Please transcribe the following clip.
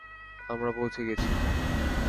আমরা পৌঁছে গেছি।